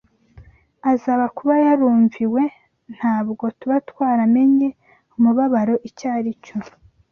aza kuba yarumviwe, ntabwo tuba twaramenye umubabaro icyo ari cyo